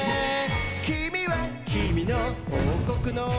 「きみはきみのおうこくの」